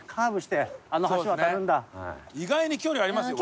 意外に距離ありますよ